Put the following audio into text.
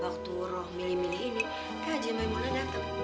waktu roh milih milih ini kajiannya mulai dateng